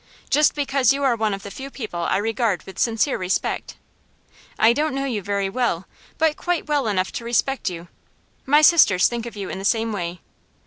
Just because you are one of the few people I regard with sincere respect. I don't know you very well, but quite well enough to respect you. My sisters think of you in the same way.